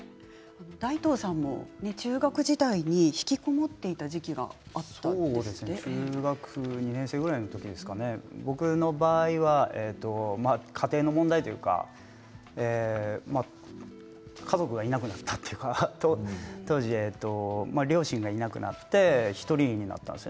大東さんも中学時代にひきこもっていた時期があった中学２年生ぐらいの時ですかね、僕の場合は家庭の問題というか家族がいなくなったというか当時、両親がいなくなって１人になったんです。